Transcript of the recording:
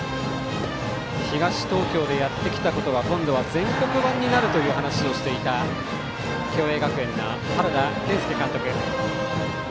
東東京でやってきたことが今度は全国版になるという話をしていた共栄学園の原田健輔監督。